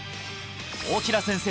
大平先生